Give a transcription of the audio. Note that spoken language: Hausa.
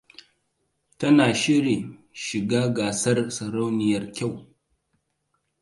Tana shirin shiga gasar sarauniyar kyau.